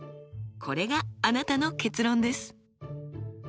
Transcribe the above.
これがあなたの結論です。